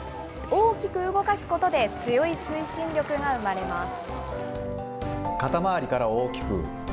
大きく動かすことで、強い推進力が生まれます。